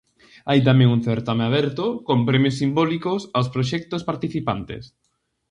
Hai tamén un certame aberto con premios simbólicos aos proxectos participantes.